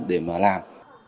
để mà làm